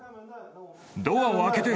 ドアを開けて！